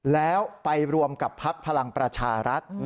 แล้วไปรวมกับพักพลังประชารัฐ